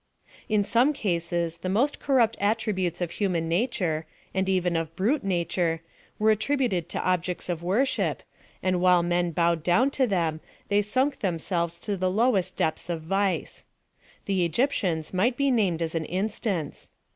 In some cases the most corrupt attributes of hu man nature, and even of brute nature, were attri buted to objects of v'orship, and while men bowed down to them, they sunk themselves to the lowest depths of vice. The Egyptians might be named as an instance.